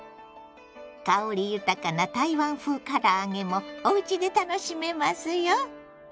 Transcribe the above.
香り豊かな台湾風から揚げもおうちで楽しめますよ。